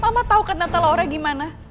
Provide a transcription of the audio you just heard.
mama tau kan tante laura gimana